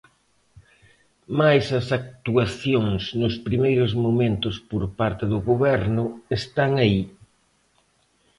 Mais as actuacións nos primeiros momentos por parte do Goberno están aí.